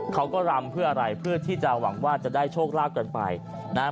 เขาก็รำเพื่ออะไรเพื่อที่จะหวังว่าจะได้โชคลาภกันไปนะฮะ